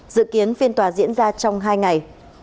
dự kiến phiên tòa diễn ra trong hai ngày